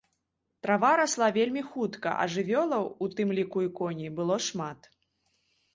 Трава расла вельмі хутка, а жывёлаў, у тым ліку і коней, было шмат.